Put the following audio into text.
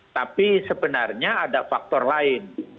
tapi sebenarnya ada faktor lain